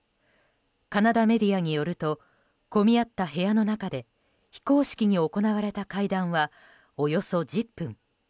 カナダメディアによると混み合った部屋の中で非公式に行われた会談はおよそ１０分。